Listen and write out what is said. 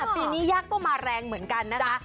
ปีนี้ยากก็มาแรงเหมือนกันนะจ๊ะ